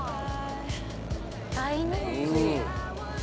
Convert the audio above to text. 大人気。